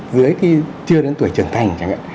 dưới khi chưa đến tuổi trưởng thành chẳng hạn